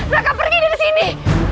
raka pergi dari sini